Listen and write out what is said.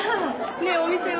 ねえお店は？